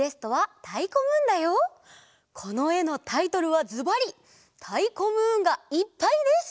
このえのタイトルはずばり「たいこムーンがいっぱい」です！